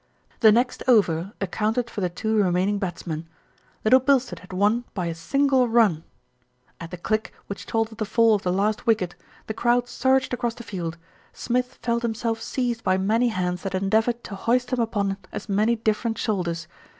The next over accounted for the two remaining bats men. Little Bilstead had won by a single run ! At the "click" which told of the fall of the last wicket, the crowd surged across the field. Smith felt himself seized by many hands that endeavoured to hoist him upon as many different shoulders.